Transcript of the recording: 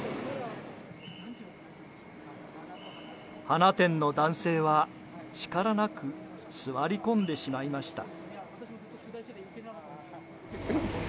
花店の男性は力なく座り込んでしまいました。